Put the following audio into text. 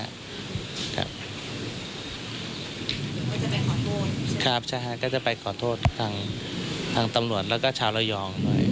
ครับก็จะไปขอโทษครับใช่ฮะก็จะไปขอโทษทางทำลวจแล้วก็ชาวระยองด้วย